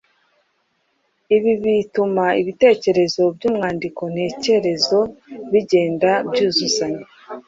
Ibi bituma ibitekerezo by’umwandiko ntekerezo bigenda byuzuzanya